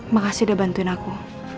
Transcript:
makasih udah bantuin aku